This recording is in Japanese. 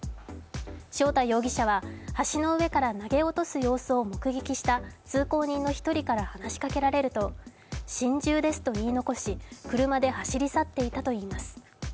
将太容疑者は橋の上から投げ落とす様子を目撃した通行人の１人から話しかけられると心中ですと言い残し、車で走り去っていたといいます。